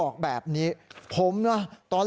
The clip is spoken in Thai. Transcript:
แล้วก็เรียกเพื่อนมาอีก๓ลำ